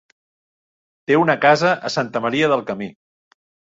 Té una casa a Santa Maria del Camí.